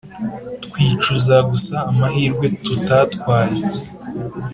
twicuza gusa amahirwe tutatwaye.